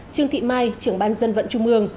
trương thị mai trưởng ban dân vận trung mương